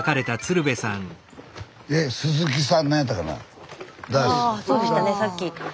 スタジオそうでしたねさっき。